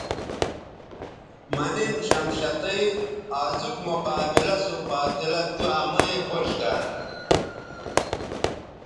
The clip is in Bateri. مہ نِن شمشتئ آزوک مقابلہ سو فاصلہ تو امئ خوش گر